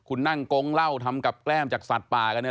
คุณนั่งกงเหล้าทำกับแกล้มจากสัตว์ป่ากันเนี่ย